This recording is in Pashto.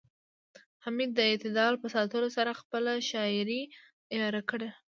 حمید د اعتدال په ساتلو سره خپله شاعرۍ عیاره کړه